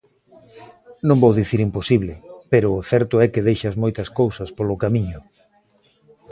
Non vou dicir imposible, pero o certo é que deixas moitas cousas polo camiño.